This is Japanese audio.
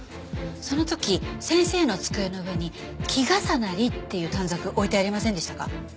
その時先生の机の上に「きがさなり」っていう短冊置いてありませんでしたか？